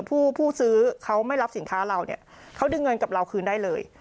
ผู้ซื้อเขาไม่รับสินค้าเราเนี่ยเขาดึงเงินกับเราคืนได้เลย